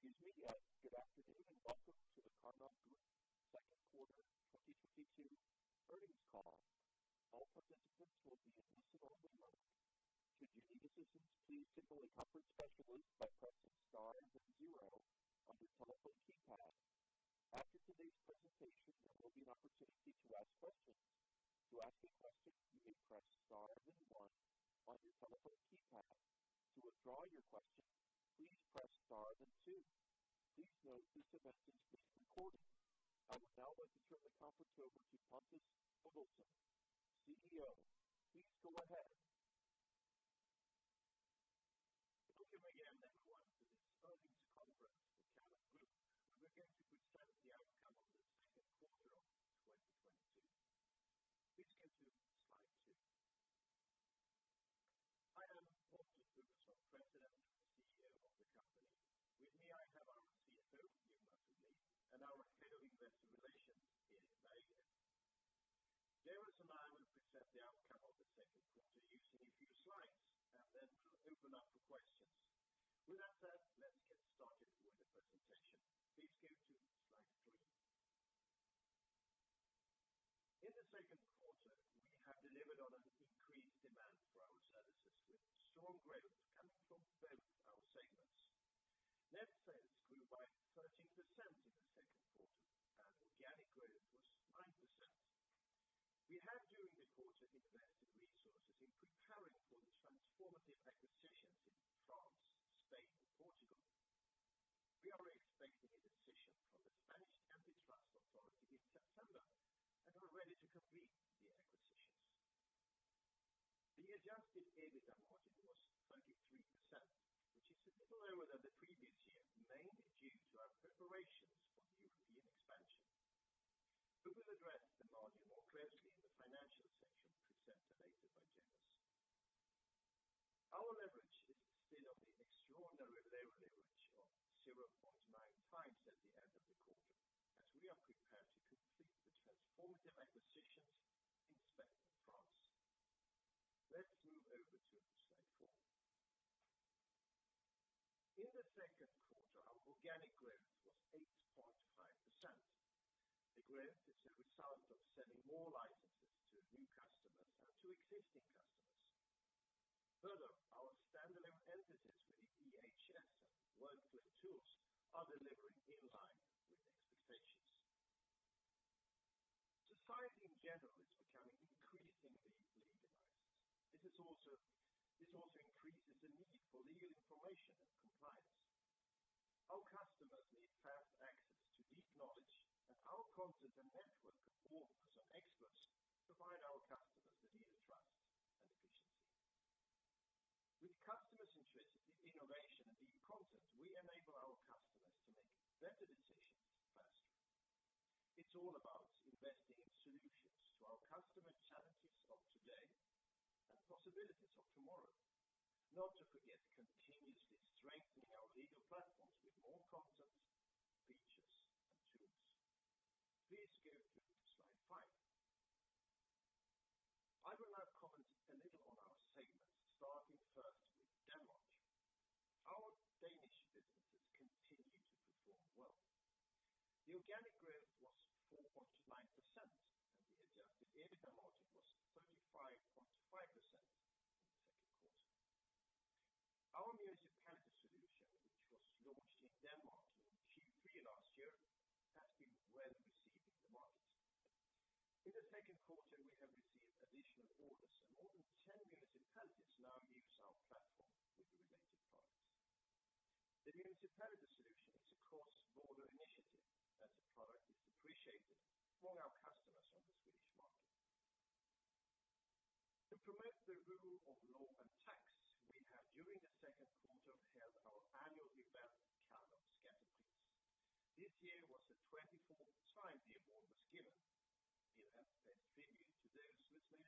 Oh, excuse me. Yes, good afternoon and welcome to the Karnov Group Second Quarter 2022 Earnings Call. All participants will be in listen only mode. Should you need assistance, please signal a conference specialist by pressing star and then zero on your telephone keypad. After today's presentation, there will be an opportunity to ask questions. To ask a question, you may press star then one on your telephone keypad. To withdraw your question, please press star then two. Please note this event is being recorded. I would now like to turn the conference over to Pontus Bodelsson, CEO. Please go ahead. Welcome again everyone to this earnings conference for Karnov Group. We are going to present the outcome of the second quarter of 2022. Please go to slide two. I am Pontus Bodelsson, President and CEO of the company. With me I have our CFO, Jonas Olin, and our Head of Investor Relations, Erik Berggren. Jonas and I will present the outcome of the second quarter using a few slides and then open up for questions. With that said, let's get started with the presentation. Please go to slide three. In the second quarter, we have delivered on an increased demand for our services with strong growth coming from both our segments. Net sales grew by 13% in the second quarter and organic growth was 9%. We have during the quarter invested resources in preparing for the transformative acquisitions in France, Spain, and Portugal. We are expecting a decision from the Spanish antitrust authority in September and are ready to complete the acquisitions. The adjusted EBITDA margin was 33%, which is a little lower than the previous year, mainly due to our preparations for the European expansion. We will address the margin more closely in the financial section presented later by Jonas. Our leverage is still on the extraordinary level ratio of 0.9x at the end of the quarter as we are prepared to complete the transformative acquisitions in Spain and France. Let's move over to slide four. In the second quarter, our organic growth was 8.5%. The growth is a result of selling more licenses to new customers and to existing customers. Further, our standalone emphasis with EHS and workflow tools are delivering in line with expectations. Society in general is becoming increasingly legalized. This also increases the need for legal information and compliance. Our customers need fast access to deep knowledge and our content and network of authors and experts provide our customers the needed trust and efficiency. With customers interested in innovation and deep content, we enable our customers to make better decisions faster. It's all about investing in solutions to our customer challenges of today and possibilities of tomorrow. Not to forget continuously strengthening in the second quarter. Our municipality solution, which was launched in Denmark in Q3 last year, has been well received in the market. In the second quarter, we have received additional orders and more than 10 municipalities now use our platform with the related products. The municipality solution is a cross-border initiative as the product is appreciated among our customers on the Swedish market. To promote the rule of law and tax, we have during the second quarter held our annual event, Karnov Skattepris. This year was the twenty-fourth time the award was given. We have paid tribute to those who has made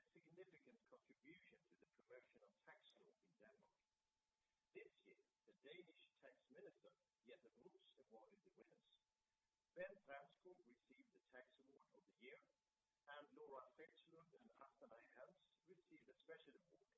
a significant contribution to the promotion of tax law in Denmark. This year, the Danish Tax Minister, Jeppe Bruus, awarded the winners. Bent Ramskov received the Tax Award of the Year, and Laura Fredslund and Asta Naja Helms received a Special Award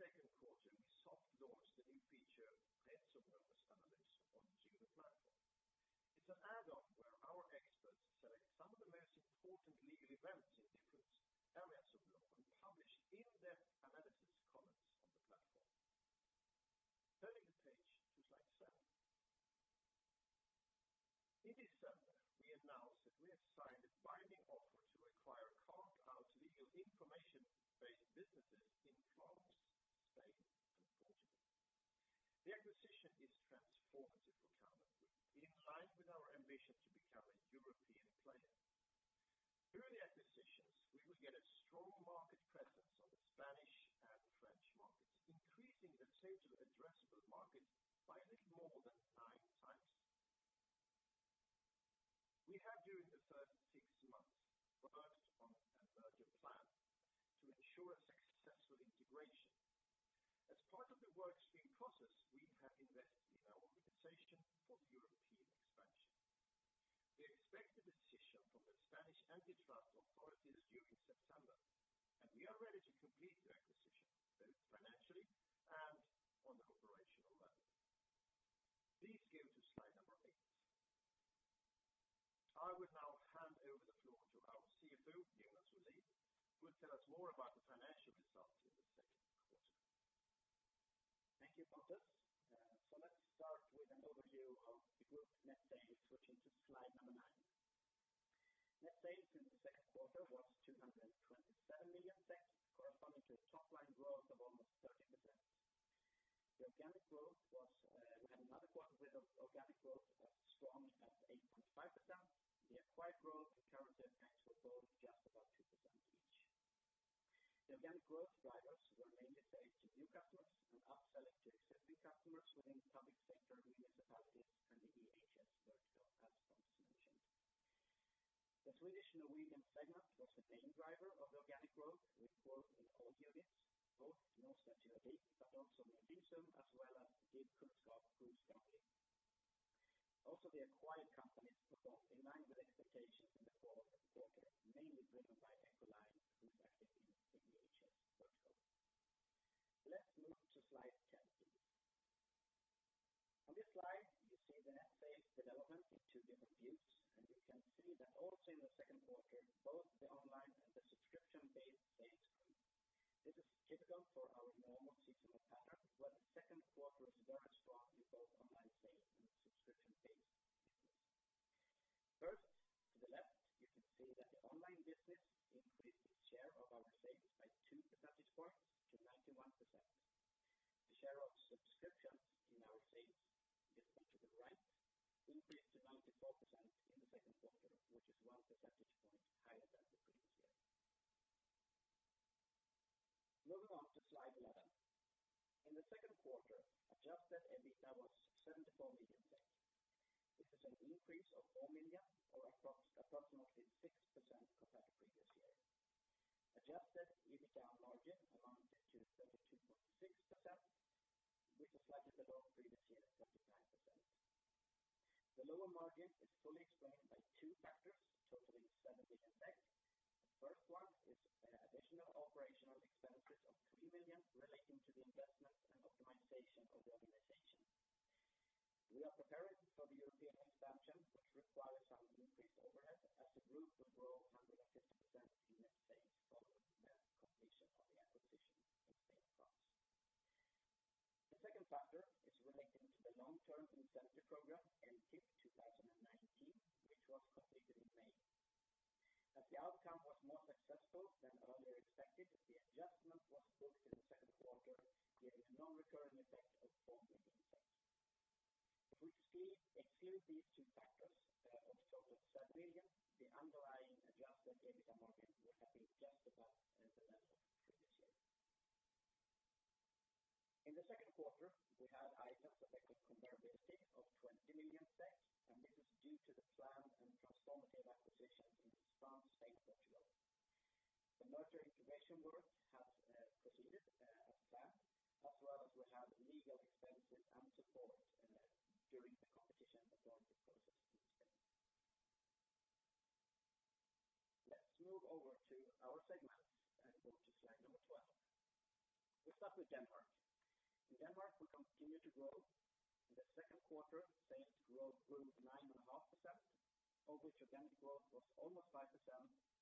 In the second quarter, we soft launched the new feature Events Overview Analysis on the JUNO platform. It's an add-on where our experts select some of the most important legal events in different areas of law. We announced that we have signed a binding offer to acquire cloud legal information-based businesses in France, Spain, and Portugal. The acquisition is transformative for Karnov Group, in line with our ambition to become a European player. Through the acquisitions, we will get a strong market presence on the Spanish and French markets, increasing the total addressable market by a little more than 9x. We have during the first 6 months focused on a merger plan to ensure a successful integration. As part of the workstream process, we have invested in our organization for European expansion. We expect the decision from the Spanish antitrust authorities during September, and we are ready to complete the acquisition both financially and on an operational level. Please go to slide number eight. I will now hand over the floor to our CFO, Jonas Olin, who will tell us more about the financial results in the second quarter. Thank you, Pontus. Let's start with an overview of the group net sales, switching to slide nine. Net sales in the second quarter was 227 million, corresponding to a top-line growth of almost 30%. The organic growth was, we had another quarter with organic growth as strong as 8.5%. The acquired growth and currency effects were both just about 2% each. The organic growth drivers were mainly sales to new customers and upselling to existing customers within public sector municipalities and the EHS vertical, as Pontus mentioned. The Swedish and Norwegian segment was the main driver of the organic growth, with growth in all units, both Norstedts Juridik, but also Notisum as well as DIBkunnskap grew strongly. Also, the acquired companies performed in line with expectations in the fourth quarter, mainly driven by Echoline, who is active in the EHS vertical. Let's move to slide 10, please. On this slide, you see the net sales development in two different views, and you can see that also in the second quarter, both the online and the subscription-based sales grew. This is typical for our normal seasonal pattern, where the second quarter is very strong in both online sales and subscription-based sales. First, to the left, you can see that the online business increased the share of our sales by 2 percentage points to 91%. The share of subscriptions in our sales, visible to the right, increased to 94% in the second quarter which is 1 percentage point higher than the previous year. Moving on to slide 11. In the second quarter, adjusted EBITDA was SEK 74 million. This is an increase of 4 million or approximately 6% compared to previous year. Adjusted EBITDA margin amounted to 32.6%, which is slightly below previous year's 39%. The lower margin is fully explained by two factors totaling 7 million. The first one is additional operational expenses of 3 million relating to the investment and optimization of the organization. We are preparing for the European expansion, which requires some increased overhead as the group overall 150% in net sales following the completion of the acquisition in Spain and France. The second factor is relating to the long-term incentive program, LTIP 2019, which was completed in May. As the outcome was more successful than earlier expected, the adjustment was booked in the second quarter, giving a non-recurring effect of SEK 4 million. If we exclude these two factors of total SEK 7 million, the underlying adjusted EBITDA margin would have been just about as the level of previous year. In the second quarter, we had items that affected comparability of 20 million, and this is due to the planned and transformative acquisitions in France, Spain, Portugal. The merger integration work has proceeded as planned, as well as we had legal expenses and support during the competition authorities process in Spain. Let's move over to our segments and go to slide number 12. We start with Denmark. In Denmark, we continue to grow. In the second quarter, sales growth grew 9.5%, of which organic growth was almost 5%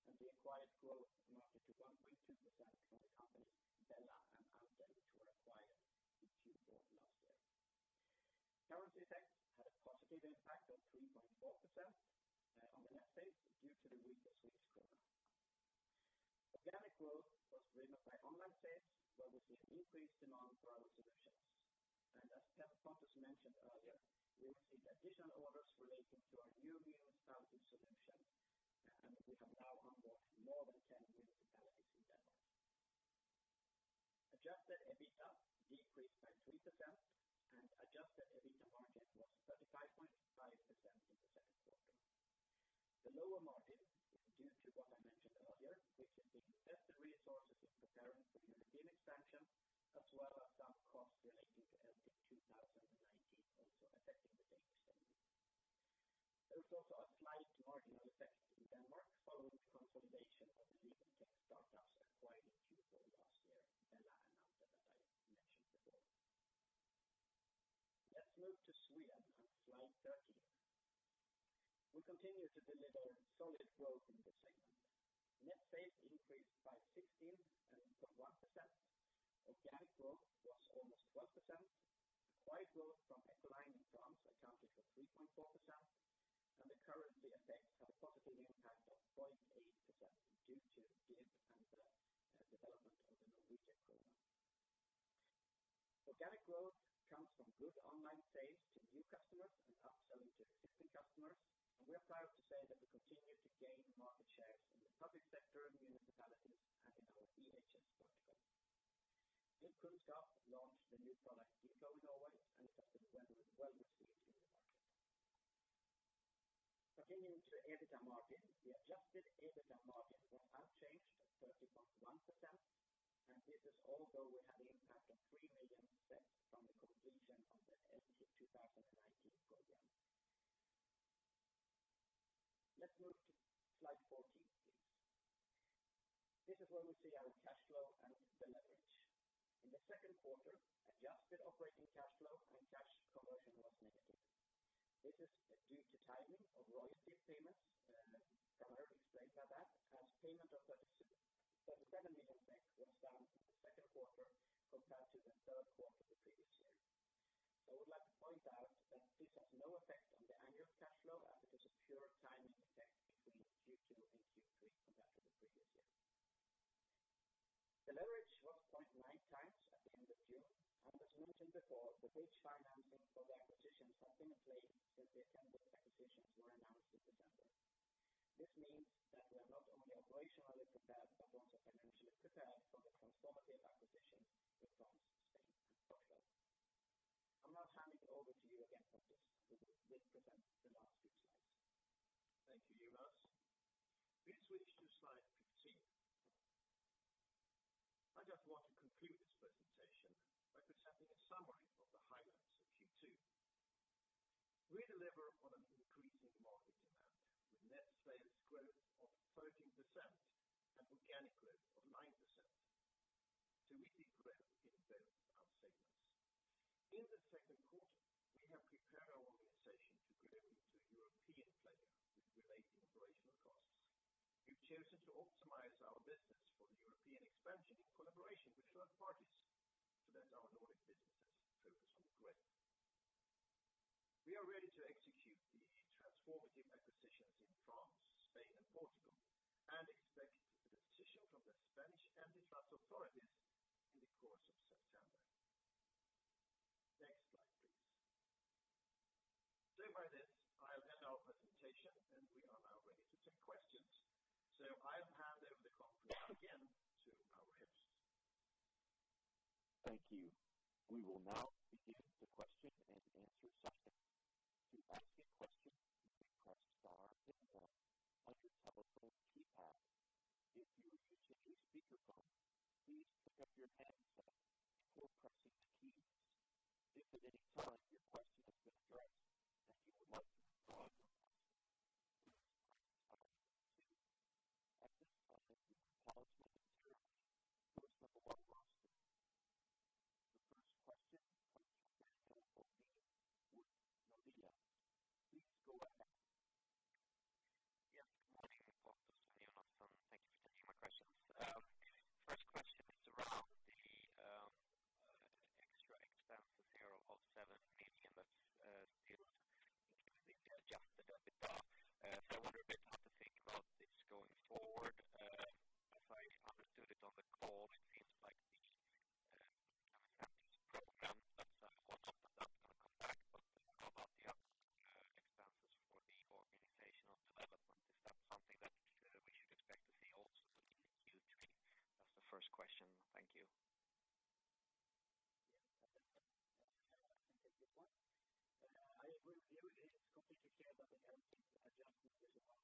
and the acquired growth amounted to 1.2% from the companies BELLA and Ante, which were acquired in Q4 last year. Currency effect had a positive impact of 3.4% on the net sales due to the weaker Swedish krona. Organic growth was driven by online sales, where we see an increased demand for our solutions. As Pontus mentioned earlier, we received additional orders relating to our new view startup solution, which have now onboarded more than 10 municipalities in Denmark. Adjusted EBITDA decreased by 3%, and adjusted EBITDA margin was 35.5% in the second quarter. The lower margin is due to what I mentioned earlier, which is the invested resources in preparing for European expansion as well as some costs relating to LTIP 2019 also affecting the same expense. There was also a slight marginal effect in Denmark following consolidation of the legal tech startups acquired in Q4 last year, BELLA and Ante that I mentioned before. Let's move to Sweden on slide 13. Organic growth comes from good online sales to new customers and upselling to existing customers. We are proud to say that we continue to gain market shares in the public sector, municipalities, and in our EHS vertical. DIBkunnskap have launched the new product, dflow, in Norway, and it has been well received in the market. Continuing to the EBITDA margin, the adjusted EBITDA margin was unchanged at 30.1%, and this is although we had the impact of 3 million from the completion of the LTIP 2019 program. Let's move to slide 14, please. This is where we see our cash flow and the leverage. In the second quarter, adjusted operating cash flow and cash conversion was negative. This is due to timing of royalty payments, Carl-Henrik explained that, as payment of 37 million SEK was done in the second quarter compared to the third quarter the previous year. I would like to point out that this has no effect on the annual cash flow as it is a pure timing effect between Q2 and Q3 compared to the previous year. The leverage was 0.9x at the end of June, and as mentioned before, the bridge financing for the acquisitions have been in place since the intended acquisitions were announced in December. This means that we're not only operationally prepared, but also financially prepared for the transformative acquisition with France, Spain, and Portugal. I'm now handing it over to you again, Pontus, who will present the last few slides. Thank you, Jonas. Please switch to slide 15. I just want to conclude this presentation by presenting a summary of the highlights of Q2. We deliver on an increasing market demand with net sales growth of 13% and organic growth of 9%. We see growth in both our segments. In the second quarter, we have prepared our organization to grow into a European player with related operational costs. We've chosen to optimize our business for the European expansion in collaboration with third parties so that our Nordic businesses focus on growth. We are ready to execute the transformative acquisitions in France, Spain, and Portugal, and expect the decision from the Spanish and the French authorities in the course of September. Next slide, please. By this, I'll end our presentation, and we are now ready to take questions. I'll hand over the conference again to our host. Thank you. We will now begin the question and answer session. To ask a question, press star then one on your telephone keypad. If you are using a speakerphone, please pick up your handset before pressing keys. If at any time your question has been addressed, and you would like to withdraw your question, please press star two. At this time, we will pause momentarily to assemble our roster. The first question comes from Daniel Ovin with Nordea. Please go ahead. Yes. Good morning, Pontus and Jonas. Thank you for taking my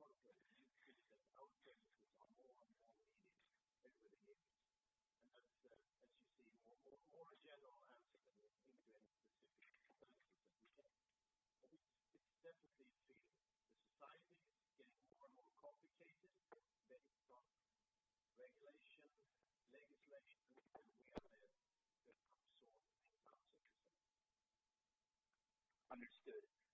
Well, I would say that the answer is best described by looking at the society as a whole. What we can see is that the legal sector, and therefore also the society as a whole, is getting even more complicated year on year. By saying that, we will see that the consultants need to be more skilled before. Our group of experts are even more so than before. Since then we can see that we haven't seen really any lack of instructions. As a consequence, our services are more and more needed every year. That's as you see, more a general answer than into any specific services that we have. It's definitely true. The society is getting more and more complicated based on regulation, legislation, and we are there to help solve those kinds of concerns. Understood.